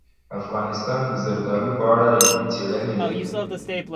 افغانستان د زردالو په اړه علمي څېړنې لري.